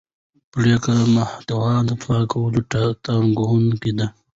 د پرېکړو محتوا د پایلې ټاکونکې ده